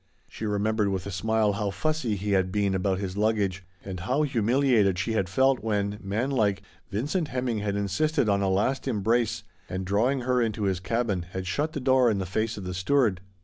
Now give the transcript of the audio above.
She remembered with a smile how fussy he had been about his luggage, and how humiliated she had felt when, manlike, Vincent Hemming had insisted on a last em brace, and, drawing the girl into his cabin, had shut the door in the face of the steward.